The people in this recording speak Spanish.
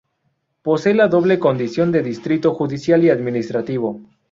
Posee la doble condición de distrito judicial y administrativo.